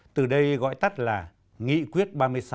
từ đây gọi tắt là nghị quyết ba mươi sáu